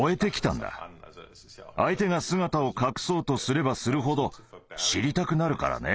相手が姿を隠そうとすればするほど知りたくなるからね。